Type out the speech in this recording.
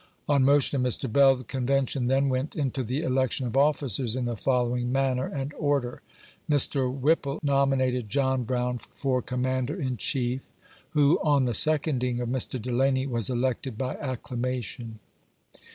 On motion of Mr. Bell, the Convention then went into the election of officers, in the following manner and order :— Mr. Whipple nominated John Brown for Commander in Chief, who, on the seconding of Mr. Delany, was elected by acclamation.